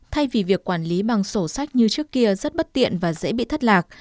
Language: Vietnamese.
thay vì việc quản lý bằng sổ sách như trước kia rất bất tiện và dễ bị thất lạc